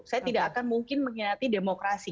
saya tidak akan mungkin mengkhianati demokrasi